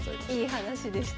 いい話でしたね。